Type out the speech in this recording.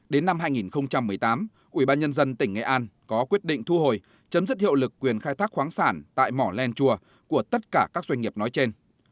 đến năm hai nghìn một mươi tám ubnd tỉnh nghệ an có quyết định thu hồi chấm dứt hiệu lực quyền khai thác khoáng sản tại mỏ len chùa của tất cả các doanh nghiệp nói trên